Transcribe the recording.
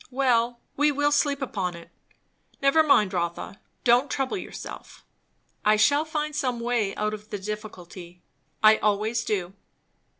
Well, we will sleep upon it. Never mind, Rotha; don't trouble yourself. I shall find some way out of the difficulty. I always do."